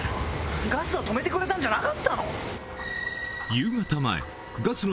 ガスは止めてくれたんじゃなかったの？